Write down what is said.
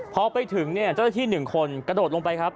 พอไปถึงเนี่ยเจ้าหน้าที่๑คนกระโดดลงไปครับ